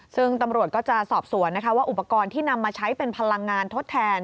ซึ่งตำรวจก็จะสอบสวนนะคะว่าอุปกรณ์ที่นำมาใช้เป็นพลังงานทดแทน